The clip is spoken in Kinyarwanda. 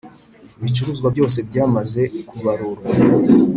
Ibicuruzwa byose byamaze kubarurwa